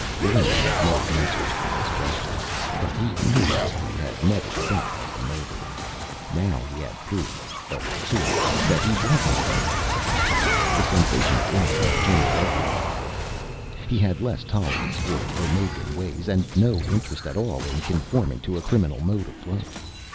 Barrent had no answers for his questions. But he knew that he had never felt like a murderer. Now he had proof, of sorts, that he wasn't a murderer. The sensation of innocence changed everything for him. He had less tolerance for Omegan ways, and no interest at all in conforming to a criminal mode of life.